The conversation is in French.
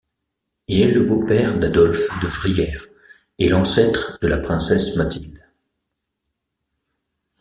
Il est le beau-père d'Adolphe de Vrière et l'ancêtre de la princesse Mathilde.